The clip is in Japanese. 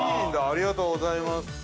ありがとうございます。